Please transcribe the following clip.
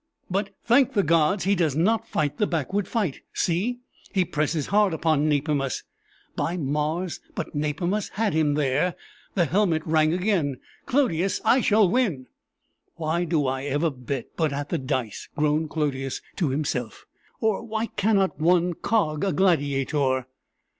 "But, thank the gods! he does not fight the backward fight. See! he presses hard upon Nepimus. By Mars! but Nepimus had him there! the helmet rang again! Clodius, I shall win!" "Why do I ever bet but at the dice?" groaned Clodius to himself; "or why cannot one cog a gladiator?"